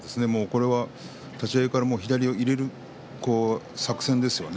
立ち合いから左を入れる作戦ですよね。